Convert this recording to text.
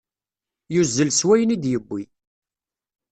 Yuzzel s wayen i d-yewwi.